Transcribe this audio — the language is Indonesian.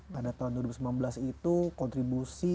pada tahun dua ribu sembilan belas itu kontribusi